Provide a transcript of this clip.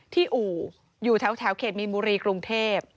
อู่อยู่แถวเขตมีนบุรีกรุงเทพ